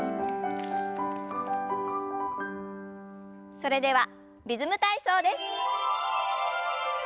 それでは「リズム体操」です。